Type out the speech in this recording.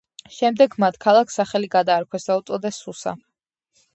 შემდეგ მათ ქალაქს სახელი გადაარქვეს და უწოდეს სუსა.